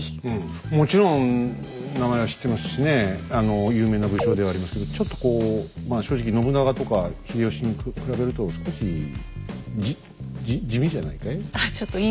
もちろん名前は知ってますしね有名な武将ではありますけどちょっとこうまあ正直信長とか秀吉に比べると少しじじ地味じゃないかい？